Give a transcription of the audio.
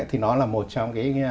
thì nó là một trong cái